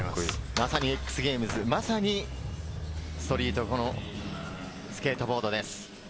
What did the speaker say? まさにＸＧａｍｅｓ、まさにストリート、スケートボードです。